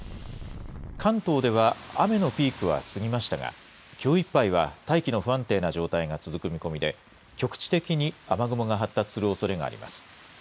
関東では、雨のピークは過ぎましたが、きょういっぱいは大気の不安定な状態が続く見込みで、局地的に雨雲が発達するおそれがあります。